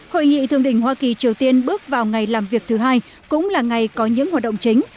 hội nghị thượng đỉnh hoa kỳ triều tiên bước vào ngày làm việc thứ hai cũng là ngày có những hoạt động chính